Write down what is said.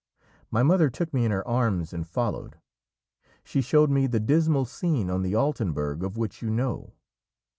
My mother took me in her arms and followed; she showed me the dismal scene on the Altenberg of which you know.